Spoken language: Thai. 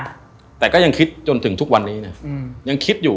เราก็ยังคิดจนถึงทุกวันนี้เนี้ย